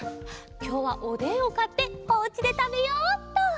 きょうはおでんをかっておうちでたべよっと。